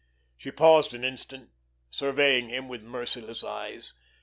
She paused an instant, surveying him with merciless eyes.